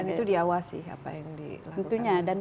itu di awal apa yang dilakukan